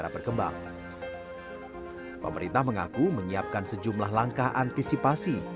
pemerintah mengaku menyiapkan sejumlah langkah antisipasi